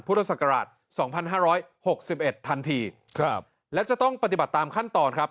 สองพันห้าร้อยหกสิบเอ็ดทันทีครับแล้วจะต้องปฏิบัติตามขั้นตอนครับ